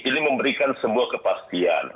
ini memberikan sebuah kepastian